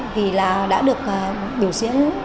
vì là đã được biểu diễn